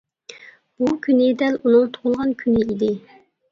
بۇ كۈنى دەل ئۇنىڭ تۇغۇلغان كۈنى ئىدى.